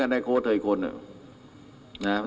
นายยกรัฐมนตรีพบกับทัพนักกีฬาที่กลับมาจากโอลิมปิก๒๐๑๖